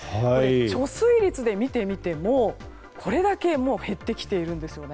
貯水率で見てみてもこれだけ減ってきているんです。